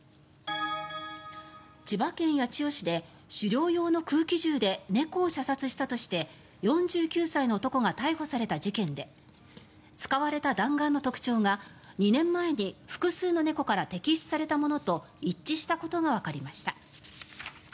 千葉県八千代市で狩猟用の空気銃で猫を射殺したとして４９歳の男が逮捕された事件で使われた弾丸の特徴が２年前に複数の猫から摘出されたものと一致したことがわかりました。